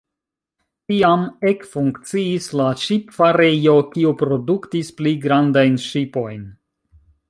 Tiam ekfunkciis la ŝipfarejo, kiu produktis pli grandajn ŝipojn.